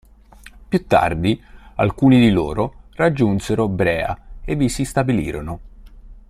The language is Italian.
Più tardi, alcuni di loro raggiunsero Brea e vi si stabilirono.